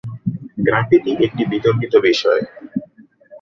Graffiti একটি বিতর্কিত বিষয়।